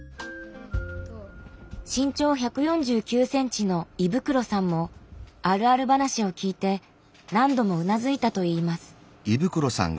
身長１４９ｃｍの衣袋さんもあるある話を聞いて何度もうなずいたといいます。